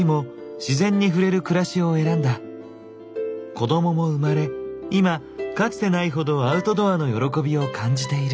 子どもも生まれ今かつてないほどアウトドアの喜びを感じている。